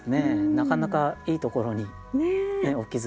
なかなかいいところにお気付きです。